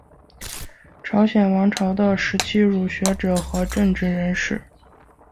朝鲜王朝的时期儒学者和政治人物。